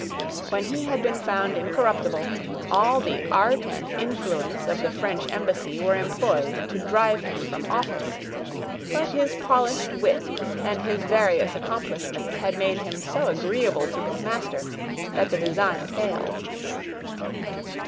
When he had been found incorruptible, all the art and influence of the French embassy were employed to drive him from office: but his polished wit and his various accomplishments had made him so agreeable to his master, that the design failed.